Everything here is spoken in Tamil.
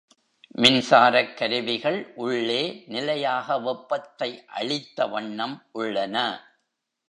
மின்சாரக் கருவிகள் உள்ளே நிலையாக வெப்பத்தை அளித்த வண்ணம் உள்ளன.